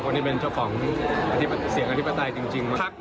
คนที่เป็นเจ้าของเสียงอธิบาตรายจริงมา